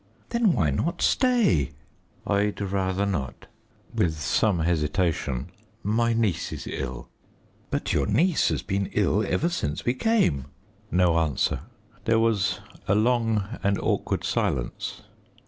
"Then why not stay?" "I'd rather not" with some hesitation "my niece is ill." "But your niece has been ill ever since we came." No answer. There was a long and awkward silence.